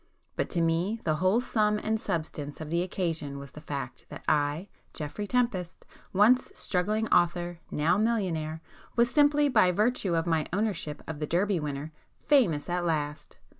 But to me the whole sum and substance of the occasion was the fact that I, Geoffrey Tempest, once struggling author, now millionaire, was simply by virtue of my ownership of the Derby winner, 'famous' at last!